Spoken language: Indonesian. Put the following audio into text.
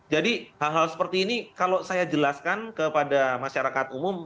jadi hal hal seperti ini kalau saya jelaskan kepada masyarakat umum